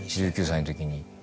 １９歳のときに。